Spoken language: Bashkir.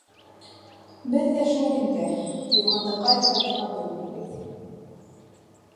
Беҙ ҙә шул инде: юрғанды ҡайҙа тартырға белмәйбеҙ.